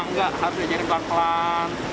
enggak harus diajaknya pelan pelan